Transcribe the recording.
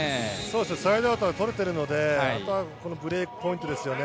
サイドアウトは取れているので、ブレークポイントですよね。